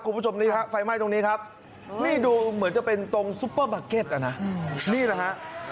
คุณผู้ชมนี้ฮะไฟไหม้ตรงนี้ครับนี่ดูเหมือนจะเป็นตรงอ่านะอู้นี่แหละฮะ